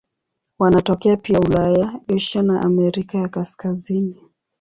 Wanatokea pia Ulaya, Asia na Amerika ya Kaskazini.